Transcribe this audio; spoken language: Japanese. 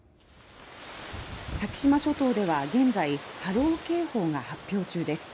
先島諸島では現在波浪警報が発表中です。